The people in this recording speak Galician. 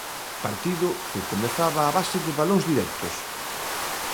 Partido que comezaba a base de balóns directos.